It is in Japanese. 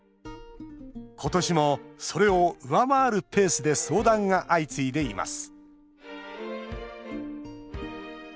今年も、それを上回るペースで相談が相次いでいます